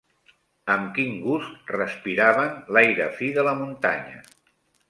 Amb quin gust respiraven l'aire fi de la muntanya